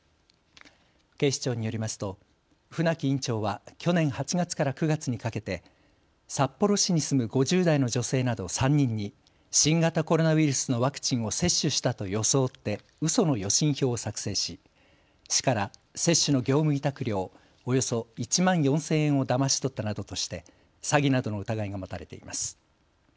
警視庁によりますと船木院長は去年８月から９月にかけて札幌市に住む５０代の女性など３人に新型コロナウイルスのワクチンを接種したと装ってうその予診票を作成し市から接種の業務委託料およそ１万４０００円をだまし取ったなどとして詐欺などの疑いが持たれています。